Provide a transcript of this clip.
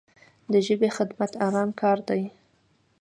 د ژبې خدمت ارام کار دی.